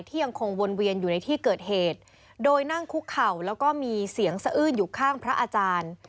ยังคงวนเวียนอยู่ในที่เกิดเหตุโดยนั่งคุกเข่าแล้วก็มีเสียงสะอื้นอยู่ข้างพระอาจารย์